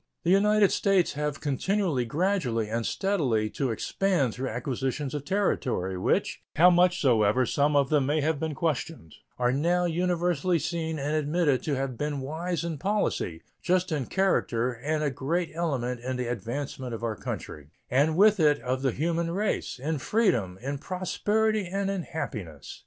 The United States have continued gradually and steadily to expand through acquisitions of territory, which, how much soever some of them may have been questioned, are now universally seen and admitted to have been wise in policy, just in character, and a great element in the advancement of our country, and with it of the human race, in freedom, in prosperity, and in happiness.